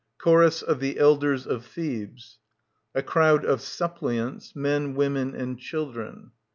Chorus of the Elders of Thebes. A Crowd of Suppliants, men, women, and children.